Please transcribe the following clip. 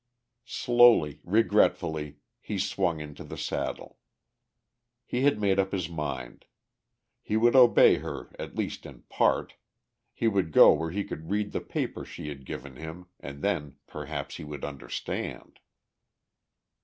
Slowly, regretfully, he swung into the saddle. He had made up his mind. He would obey her at least in part, he would go where he could read the paper she had given him, and then perhaps he would understand.